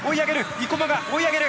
生馬が追い上げる！